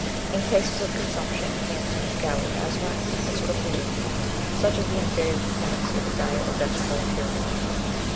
In cases of consumption, cancer, gout, asthma, and scrofula, such is the invariable tendency of a diet of vegetables and pure water.